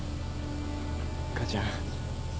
母ちゃん。